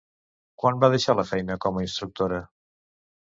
Quan va deixar la feina com a instructora?